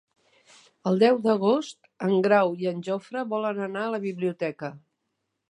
El deu d'agost en Grau i en Jofre volen anar a la biblioteca.